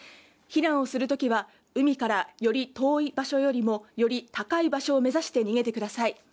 避難をするときは、海からより遠い場所より高い場所を目指して逃げてください。